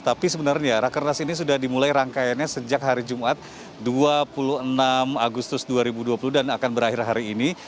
tapi sebenarnya rakernas ini sudah dimulai rangkaiannya sejak hari jumat dua puluh enam agustus dua ribu dua puluh dan akan berakhir hari ini